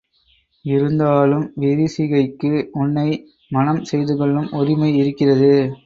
இருந்தாலும் விரிசிகைக்கு உன்னை மணம் செய்துகொள்ளும் உரிமை இருக்கிறது.